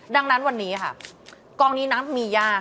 ดังนั้นวันนี้ค่ะกองนี้นะมียาก